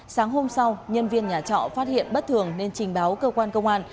sáng hôm sau nhân viên nhà trọ phát hiện bất thường nên trình báo cơ quan công an